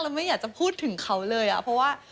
ไม่อยากจะพูดถึงเขาเลยเพราะว่า